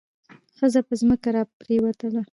ښځه په ځمکه را پریوتله.